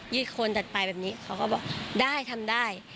อีกคนตัดไปแบบนี้เขาก็บอกได้ทำได้